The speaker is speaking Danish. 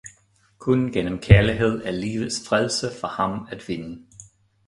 kun gjennem Kjærlighed er Livets Frelse for ham at vinde!